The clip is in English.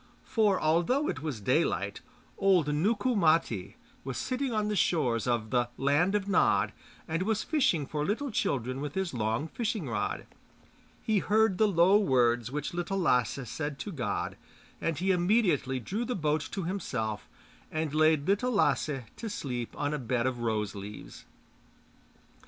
For although it was daylight, old Nukku Matti was sitting on the shores of the 'Land of Nod,' and was fishing for little children with his long fishing rod. He heard the low words which Little Lasse said to God, and he immediately drew the boat to himself and laid Little Lasse to sleep on a bed of rose leaves.